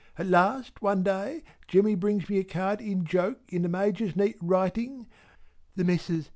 At last one day Jemmy brings me a card in joke in the Major's neat writing "The Messrs.